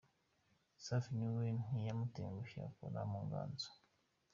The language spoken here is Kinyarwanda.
Safi na we ntiyamutengushye akora mu nganzo.